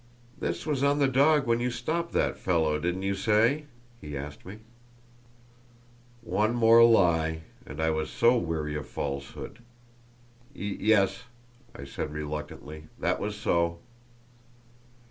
"This was on the dog when you stopped that fellow, didn't you say?" he asked me. One more lie—and I was so weary of falsehood! "Y yes," I said, reluctantly; "that was so."